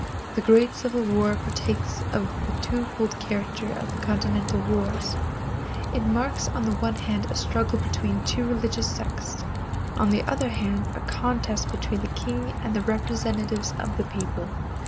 The Great Civil War partakes of the twofold character of the continental wars. It marks on the one hand a struggle between two religious sects; on the other a contest between the king and the representatives of the people.